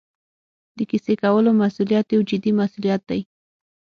د کیسې کولو مسوولیت یو جدي مسوولیت دی.